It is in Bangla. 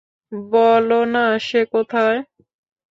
বলো না সে কোথায়।